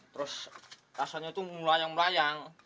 terus rasanya tuh melayang layang